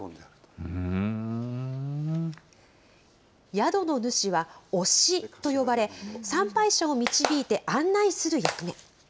宿の主は、御師と呼ばれ、参拝者を導いて案内する役目。